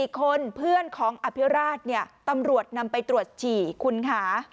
๔คนเพื่อนของอภิราชเนี่ยตำรวจนำไปตรวจฉี่คุณค่ะ